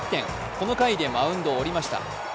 この回でマウンドを降りました。